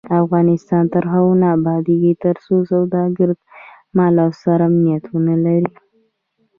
افغانستان تر هغو نه ابادیږي، ترڅو سوداګر د مال او سر امنیت ونلري.